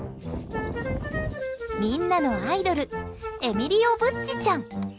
みんなのアイドルエミリオブッチちゃん。